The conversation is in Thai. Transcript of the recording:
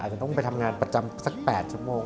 จะต้องไปทำงานประจำสัก๘ชั่วโมง